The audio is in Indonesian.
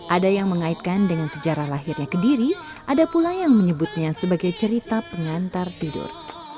ada yang mengaitkan dengan sejarah lahirnya kediri ada pula yang menyebutnya sebagai cerita pengantar tidur